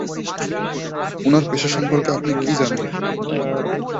উনার পেশা সম্পর্কে আপনি জানেন?